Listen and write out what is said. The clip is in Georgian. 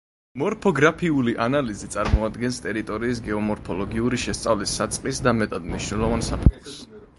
მორფოგრაფიული ანალიზი წარმოადგენს ტერიტორიის გეომორფოლოგიური შესწავლის საწყის და მეტად მნიშვნელოვან საფეხურს.